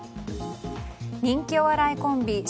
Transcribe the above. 人気お笑いコンビ